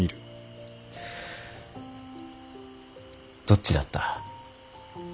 どっちだった。